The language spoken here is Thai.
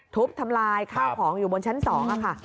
ทุบทำลายข้าวของอยู่บนชั้น๒ค่ะ